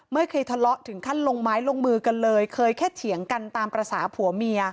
ไม่เคยทะเลาะถึงขั้นลงไม้ลงมือกันเลยเคยแค่เถียงกันตามภาษาผัวเมีย